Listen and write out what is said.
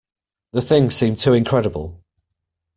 The thing seemed too incredible.